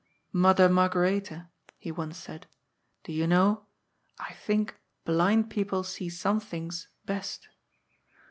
" Mother Margaretha," he once said, " do you know, I think blind people see some things best.